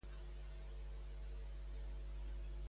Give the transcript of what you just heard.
I quant trigava a atenuar el color?